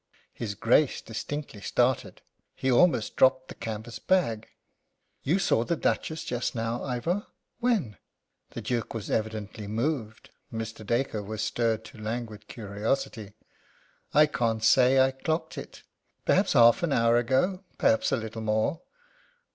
His Grace distinctly started. He almost dropped the canvas bag. "You saw the Duchess just now, Ivor! When?" The Duke was evidently moved. Mr. Dacre was stirred to languid curiosity. "I can't say I clocked it. Perhaps half an hour ago; perhaps a little more."